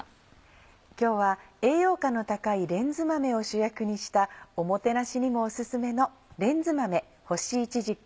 今日は栄養価の高いレンズ豆を主役にしたおもてなしにもお薦めの「レンズ豆干しいちじく